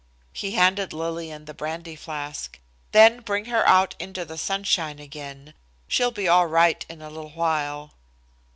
He handed Lillian the brandy flask. "Then bring her out into the sunshine again. She'll be all right in a little while."